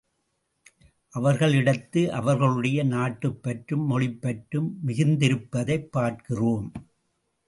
அவர்களிடத்து அவர்களுடைய நாட்டுப்பற்றும் மொழிப்பற்றும் மிகுந்திருப்பதைப் பார்க்கிறோம்.